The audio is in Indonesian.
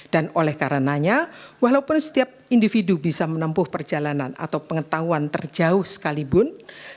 dan oleh karenanya walaupun setiap individu bisa menempuh perjalanan atau pengetahuan terjauh sekalipun